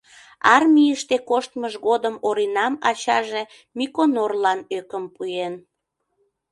Армийыште коштмыж годым Оринам ачаже Миконорлан ӧкым пуэн.